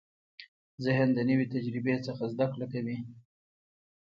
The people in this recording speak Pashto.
ذهن د نوې تجربې څخه زده کړه کوي.